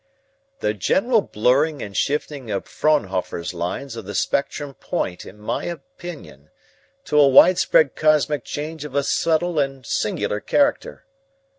"The general blurring and shifting of Fraunhofer's lines of the spectrum point, in my opinion, to a widespread cosmic change of a subtle and singular character.